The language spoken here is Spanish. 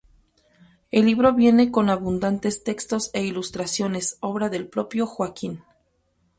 El libro viene con abundantes textos e ilustraciones obra del propio Joaquín.